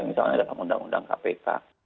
misalnya dalam undang undang kpk